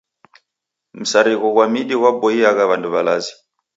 Msarigho gwa mindi gwapoiyagha w'andu w'alazi.